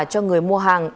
cho người mua hàng